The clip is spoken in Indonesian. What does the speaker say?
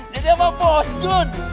jadi apa bos jun